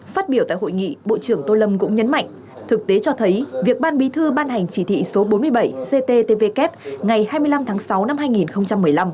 phát biểu tại hội nghị bộ trưởng tô lâm cũng nhấn mạnh thực tế cho thấy việc ban bí thư ban hành chỉ thị số bốn mươi bảy cttvk ngày hai mươi năm tháng sáu năm hai nghìn một mươi năm